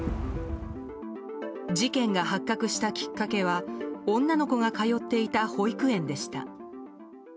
事件が発覚したきっかけは女の子が通っていた保育園でした。